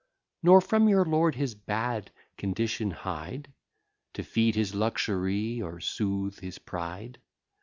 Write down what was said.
Nor from your lord his bad condition hide, To feed his luxury, or soothe his pride.